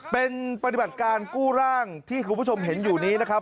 เป็นปฏิบัติการกู้ร่างที่คุณผู้ชมเห็นอยู่นี้นะครับ